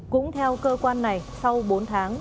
cũng theo cơ quan này sau bốn tháng